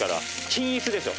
均一でしょ。